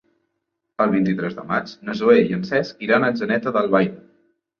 El vint-i-tres de maig na Zoè i en Cesc iran a Atzeneta d'Albaida.